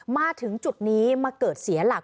มาถึงจุดนี้มาเกิดเสียหลัก